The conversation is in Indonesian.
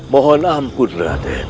mohon ampun raden